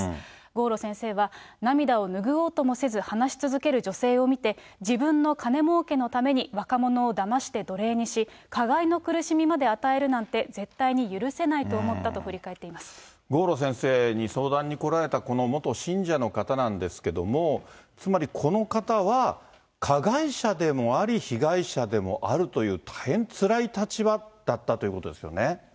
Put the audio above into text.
郷路先生は、涙を拭おうともせず話し続ける女性を見て、自分の金もうけのために若者をだまして奴隷にし、加害の苦しみ迄与えるなんて、絶対に許せないと思ったと振り返っ郷路先生、相談に来られたこの元信者の方なんですけども、つまり、この方は加害者でもあり、被害者でもあるという、大変つらい立場だったということですよね。